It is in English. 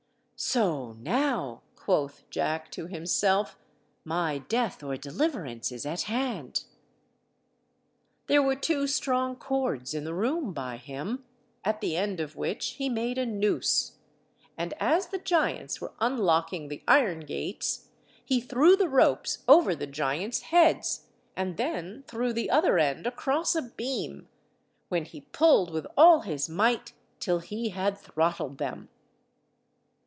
"So now," quoth Jack to himself, "my death or deliverance is at hand." There were two strong cords in the room by him, at the end of which he made a noose, and as the giants were unlocking the iron gates, he threw the ropes over the giants' heads, and then threw the other end across a beam, when he pulled with all his might till he had throttled them.